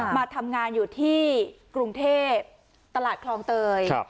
มาทำงานอยู่ที่กรุงเทพตลาดคลองเตย